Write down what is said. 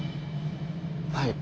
はい。